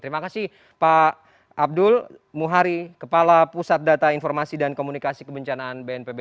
terima kasih pak abdul muhari kepala pusat data informasi dan komunikasi kebencanaan bnpb